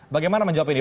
bagaimana menjawab ini